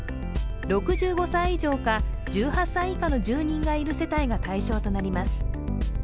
６５歳以上か、１８歳以下の住人がいる世帯が対象となります。